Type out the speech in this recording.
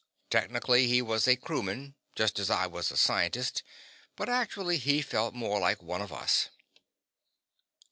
Technically, he was a crewman, just as I was a scientist; but actually, he felt more like one of us.